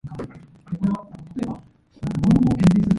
Alley issued orders that looters would be shot on sight.